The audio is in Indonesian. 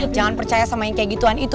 jangan percaya sama yang kayak gituan itu